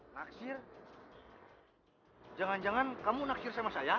naksir jangan jangan kamu naksir sama saya